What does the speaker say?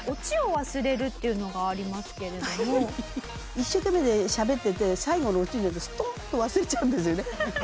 一生懸命しゃべってて最後のオチになるとストンと忘れちゃうんですよね。